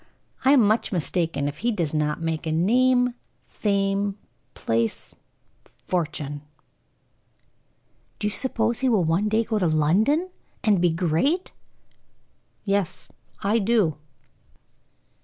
I am much mistaken if he does not make a name, fame, place, fortune." "Do you suppose he will one day go to London and be great?" "Yes, I do."